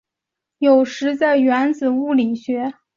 有时在原子物理学中称为微微米。